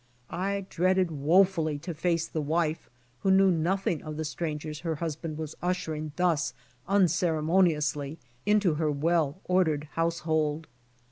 I dreaded woefully to face the wife who knew nothing of the strangers her hus band was ushering thus unceremoniously into her wellnordered household.